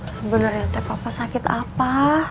sebenernya teh papa sakit apa